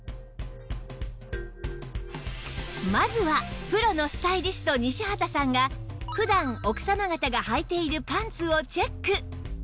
まずはプロのスタイリスト西畑さんが普段奥様方がはいているパンツをチェック